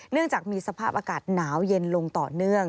เนื่องจากมีสภาพอากาศหนาวเย็นลงต่อเนื่อง